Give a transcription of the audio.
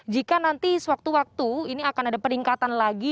jika nanti sewaktu waktu ini akan ada peningkatan lagi